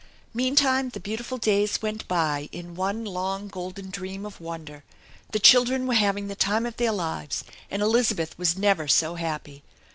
Meantime the beautiful days went by in one long, golden dream of wonder. The children were having the time of their livey, and Elizabeth was never so happy.